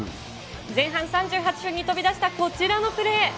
前半３８分に飛び出したこちらのプレー。